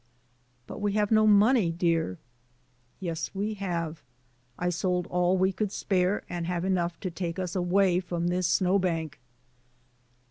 "But we have no money, dear." "Yes, we have. I sold all we could spare, and have enough to take us away from this snow bank."